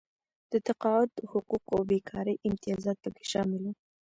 د تقاعد حقوق او بېکارۍ امتیازات پکې شامل وو.